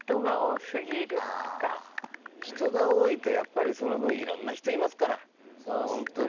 人が多いとやっぱりその分いろんな人いますからホントに。